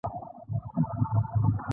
هغوی د حالت د مطلق خرابوالي لامل هم دي